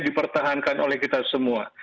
dipertahankan oleh kita semua